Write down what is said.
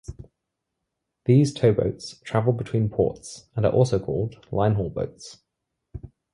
These towboats travel between ports and are also called line-haul boats.